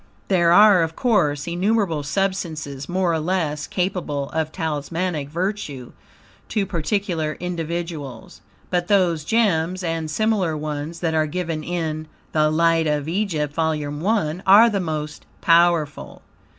There are, of course, innumerable substances, more or less, capable of talismanic virtue to particular individuals. But those gems, and similar ones, that are given in "The Light of Egypt," Vol. I, are the most powerful.